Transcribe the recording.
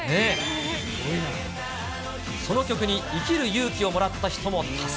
その曲に生きる勇気をもらった人も多数。